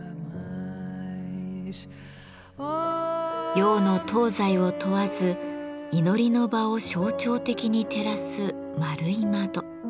洋の東西を問わず祈りの場を象徴的に照らす円い窓。